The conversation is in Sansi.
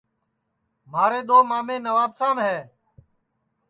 مھارے دؔو مامیں نوابشام ہے